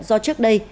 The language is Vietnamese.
do trước đây